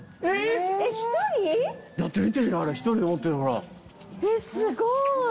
えっ！